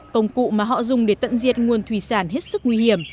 công cụ mà họ dùng để tận diệt nguồn thủy sản hết sức nguy hiểm